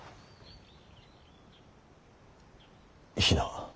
比奈。